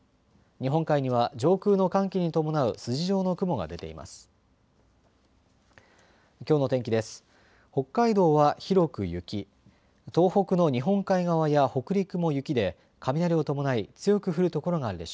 日本海には上空の寒気に伴う筋状の雲が出ています。